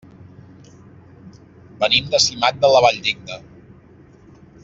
Venim de Simat de la Valldigna.